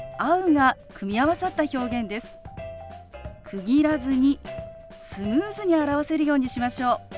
区切らずにスムーズに表せるようにしましょう。